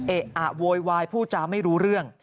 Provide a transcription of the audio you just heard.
เอ๊ะอะโวยวายผู้จ๋าไม่รู้เรื่อง